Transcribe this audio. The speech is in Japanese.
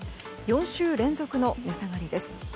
４週連続の値下がりです。